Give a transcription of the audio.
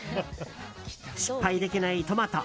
失敗できないトマト。